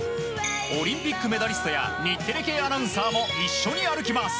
オリンピックメダリストや日テレ系アナウンサーも一緒に歩きます。